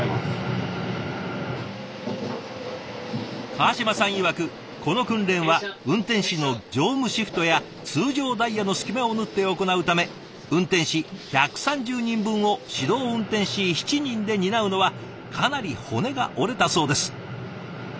川島さんいわくこの訓練は運転士の乗務シフトや通常ダイヤの隙間を縫って行うため運転士１３０人分を指導運転士７人で担うのはかなり骨が折れたそうです。